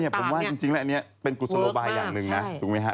นี่ผมว่าจริงแล้วอันนี้เป็นกุศโบายอย่างหนึ่งนะ